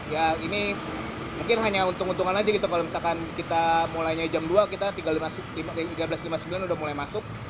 ya ini mungkin hanya untung untungan aja gitu kalau misalkan kita mulainya jam dua kita tiga belas lima puluh sembilan udah mulai masuk